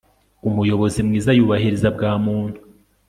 umuyobozi mwiza yubahiriza bwa muntu